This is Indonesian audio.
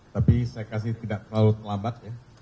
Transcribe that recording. tapi saya kasih tidak terlalu terlambat ya